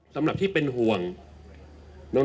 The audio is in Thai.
สำหรับที่เป็นห่วง